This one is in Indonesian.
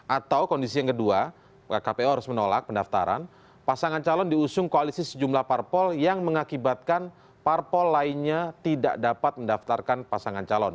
atau kondisi yang kedua kpu harus menolak pendaftaran pasangan calon diusung koalisi sejumlah parpol yang mengakibatkan parpol lainnya tidak dapat mendaftarkan pasangan calon